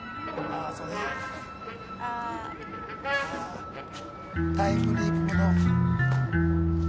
ああタイムリープもの。